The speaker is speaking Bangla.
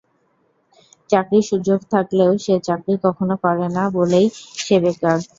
চাকরির সুযোগ থাকলেও সে চাকরি কখনো করে না বলেই সে বেকার।